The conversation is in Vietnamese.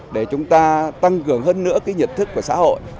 để chúng ta tăng cường hơn nữa cái nhận thức của xã hội